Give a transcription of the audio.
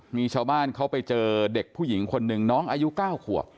มีชาวบ้านเขาไปเจอเด็กผู้หญิงคนหนึ่งน้องอายุ๙ขวบ